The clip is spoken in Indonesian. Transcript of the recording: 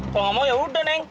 kalo gak mau ya udah neng